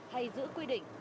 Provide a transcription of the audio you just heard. hay giữ quy định